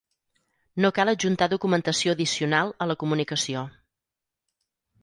No cal adjuntar documentació addicional a la comunicació.